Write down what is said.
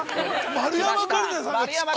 丸山桂里奈さん。